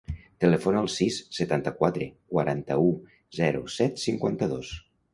Telefona al sis, setanta-quatre, quaranta-u, zero, set, cinquanta-dos.